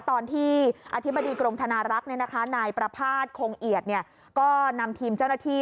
ตอนที่อธิบดีกรมธนารักษ์นายประภาษณ์คงเอียดก็นำทีมเจ้าหน้าที่